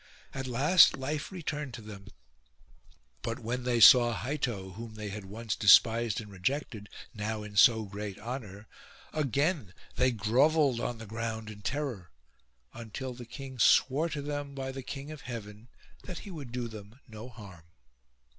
At last life returned to them ; but when they saw Heitto, whom they had once despised and rejected, now in so great honour, again they grovelled on the ground in terror ; until the king swore to them by the King of Heaven that he would do them no harm.